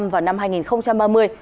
vào năm hai nghìn ba mươi